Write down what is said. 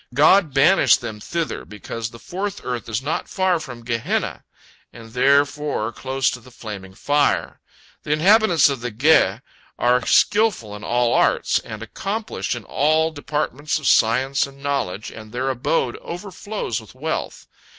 God banished them thither because the fourth earth is not far from Gehenna, and therefore close to the flaming fire. The inhabitants of the Ge are skilful in all arts, and accomplished in all departments of science and knowledge, and their abode overflows with wealth.